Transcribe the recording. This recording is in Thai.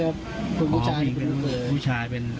เลี้ยงเงยอยู่ในบ้าน